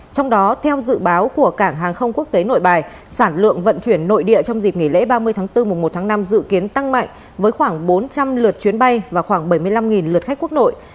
trong đó theo dự báo của cảng hàng không quốc tế nội bài sản lượng vận chuyển nội địa trong dịp nghỉ lễ ba mươi tháng bốn mùa một tháng năm dự kiến tăng mạnh với khoảng bốn trăm linh lượt chuyến bay và khoảng bảy mươi năm lượt khách quốc nội